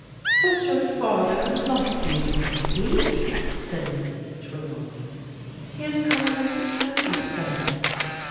" But your father loves you, Peggy," said Mrs, Tre lawney. " He has come here to tell you so."